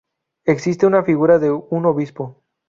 Existe, una figura de un obispo.